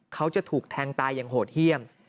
เขาจะถูกแทงตายอย่างโหดเยี่ยม